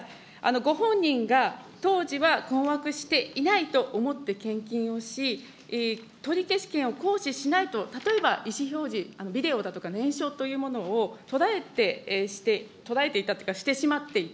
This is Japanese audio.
ご本人が当時は困惑していないと思って献金をし、取消権を行使しないと、例えば意思表示、ビデオだとか、念書というものをとらえていて、とらえていたというか、してしまっていた。